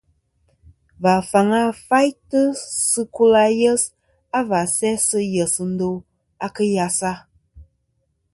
Và faŋa faytɨ sɨ kul ayes a và sæ sɨ yes ndo a kɨ yesa.